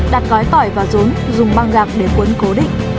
đặt gói tỏi và rốn dùng băng gạc để cuốn cố định